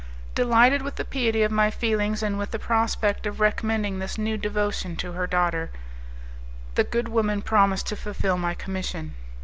Delighted with the piety of my feelings and with the prospect of recommending this new devotion to her daughter, the good woman promised to fulfil my commission.